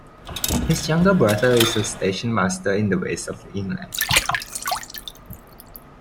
His younger brother is a station master in the west of England.